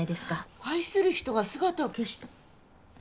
「愛する人が姿を消した」